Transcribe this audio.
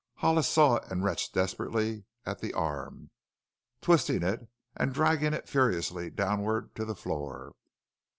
Hollis saw it and wrenched desperately at the arm, twisting it and dragging it furiously downward to the floor.